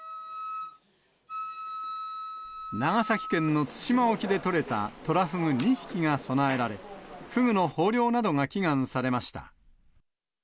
長崎県の対馬沖で取れたトラフグ２匹が供えられ、フグの豊漁などが祈願されました。